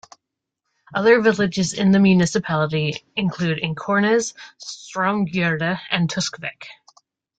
Other villages in the municipality include Ikornnes, Straumgjerde, and Tusvik.